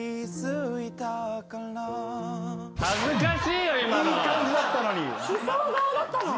・いい感じだったのに。